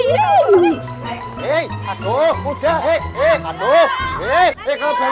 eh aduh udah eh eh aduh